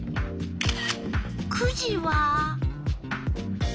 ９時は。